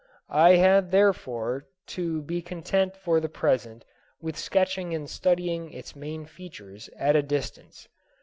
I had, therefore, to be content for the present with sketching and studying its main features at a distance.